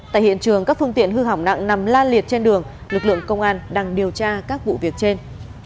tại hiện trường các phương tiện hư hỏng nặng nằm la liệt trên đường lực lượng công an đang điều tra các vụ việc trên